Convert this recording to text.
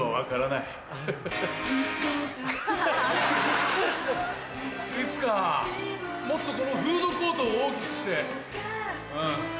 いつかもっとこのフードコートを大きくしてうん。